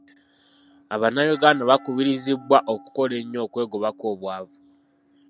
Abannayuganda bakubirizibwa okukola ennyo, okwegobako obwavu .